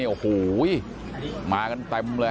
โอ้โหมากันเต็มเลย